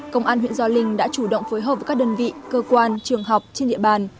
công an huyện gio linh đã chủ động phối hợp với các đơn vị cơ quan trường học trên địa bàn